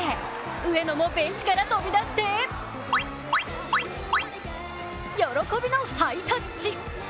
上野もベンチから飛び出して喜びのハイタッチ。